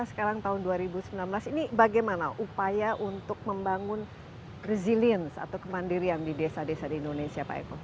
sekarang tahun dua ribu sembilan belas ini bagaimana upaya untuk membangun resilience atau kemandirian di desa desa di indonesia pak eko